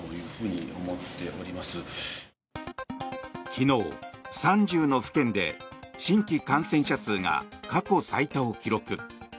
昨日、３０の府県で新規感染者数が過去最多を記録。